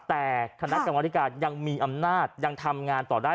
แต่คณะกรรมธิการยังมีอำนาจยังทำงานต่อได้